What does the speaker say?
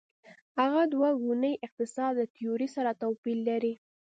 هغه دوه ګونی اقتصاد له تیورۍ سره توپیر لري.